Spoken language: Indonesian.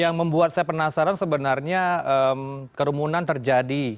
yang membuat saya penasaran sebenarnya kerumunan terjadi